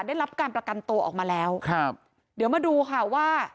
ได้รับการประกันตัวออกมาแล้วครับเดี๋ยวมาดูค่ะว่า